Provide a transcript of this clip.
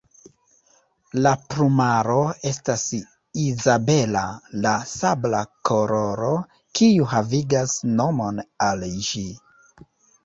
La plumaro estas izabela, la sabla koloro kiu havigas nomon al ĝi.